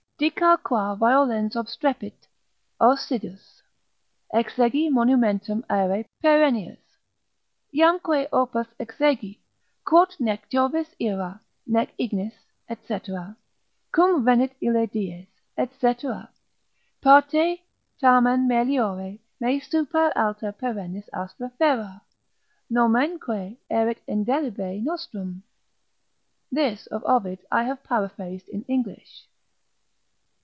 Dicar qua violens obstrepit Ausidus.—Exegi monumentum aere perennius. Iamque opus exegi, quod nec Jovis ira, nec ignis, &c. cum venit ille dies, &c. parte tamen meliore mei super alta perennis astra ferar, nomenque erit indelebile nostrum. (This of Ovid I have paraphrased in English.)